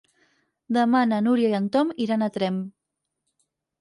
Demà na Núria i en Tom iran a Tremp.